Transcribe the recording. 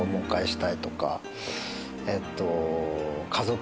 えっと。